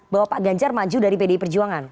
bahwa pak ganjar maju dari pdi perjuangan